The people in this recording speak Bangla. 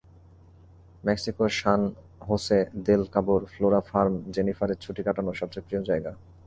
মেক্সিকোর সান হোসে দেল কাবোর ফ্লোরা ফার্ম জেনিফারের ছুটি কাটানোর সবচেয়ে প্রিয় জায়গা।